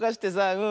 うん。